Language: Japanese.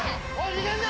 逃げんな！